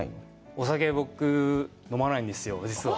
お酒、僕飲まないんですよ、実は。